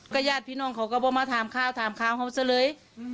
ก็ญาติพี่น้องเขาก็มาทำข้าวทำข้าวเขาซะเลย